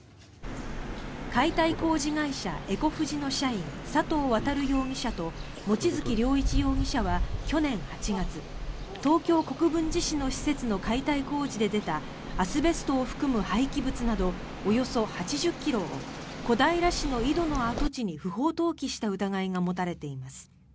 解体工事会社エコフジの社員佐藤航容疑者と望月良一容疑者は去年８月東京・国分寺市の施設の解体工事で出たアスベストを含む廃棄物などおよそ８０ｋｇを小平市の井戸の跡地に不法投棄した疑いが持たれています。